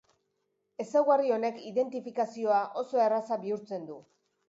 Ezaugarri honek identifikazioa oso erraza bihurtzen du.